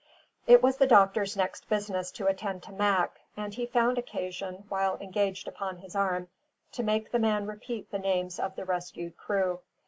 It was the doctor's next business to attend to Mac; and he found occasion, while engaged upon his arm, to make the man repeat the names of the rescued crew.